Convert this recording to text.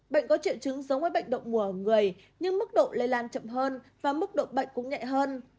bệnh có triệu chứng giống với bệnh động mùa ở người nhưng mức độ lây lan chậm hơn và mức độ bệnh cũng nhẹ hơn